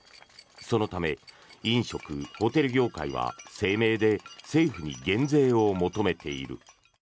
そのため飲食・ホテル業界は声明で政府に減税を求めている。